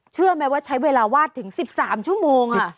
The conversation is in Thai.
เชื่อไหมว่าใช้เวลาวาดถึง๑๓ชั่วโมง